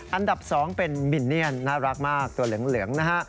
อันดับ๒เป็นมินเนียนน่ารักมากตัวเหลืองนะฮะ